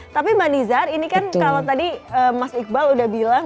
tapi mbak nizar ini kan kalau tadi mas iqbal udah bilang